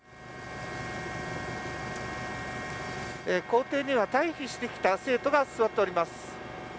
校庭には退避してきた生徒が座っております。